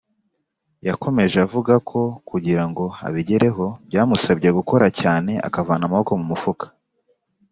Yakomeje avugako kugirango abigereho byamusabye gukora cyane akavana amaboko mumufuka